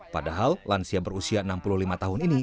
padahal lansia berusia enam puluh lima tahun ini